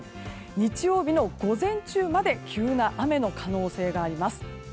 日曜日の午前中まで急な雨の可能性があります。